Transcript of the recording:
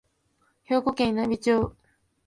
兵庫県稲美町